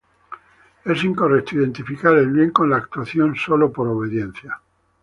Es incorrecto identificar el bien con la actuación sólo por obediencia.